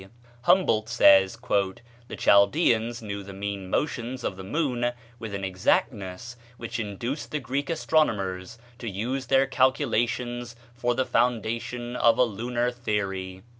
Humboldt says, "The Chaldeans knew the mean motions of the moon with an exactness which induced the Greek astronomers to use their calculations for the foundation of a lunar theory."